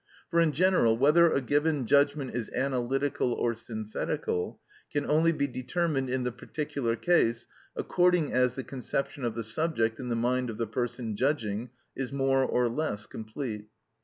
For, in general, whether a given judgment is analytical or synthetical can only be determined in the particular case according as the conception of the subject in the mind of the person judging is more or less complete.